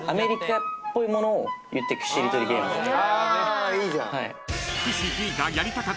あいいじゃん。